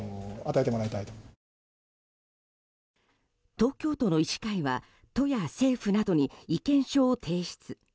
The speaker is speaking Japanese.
東京都の医師会は都や政府などに意見書を提出。